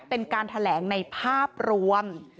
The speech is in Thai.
เป็นการแถลงในภาพรวม